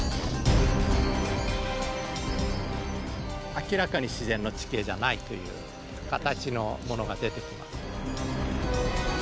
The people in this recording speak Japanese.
明らかに自然の地形じゃないという形のものが出てきます。